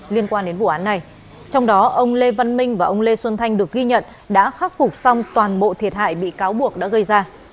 liên quan đến vụ án này trong đó ông lê văn minh và ông lê xuân thanh được ghi nhận đã khắc phục xong toàn bộ thiệt hại bị cáo buộc đã gây ra